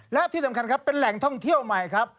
และที่สำคัญครับเป็นแหล่งท่องเที่ยวใหม่ครับ